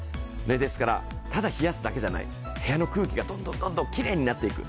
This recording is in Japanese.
ですから、ただ冷やすだけじゃない部屋の空気がどんどんきれいになっていく。